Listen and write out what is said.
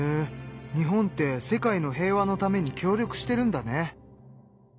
日本って世界の平和のために協力してるんだね。